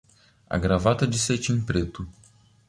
A gravata de cetim preto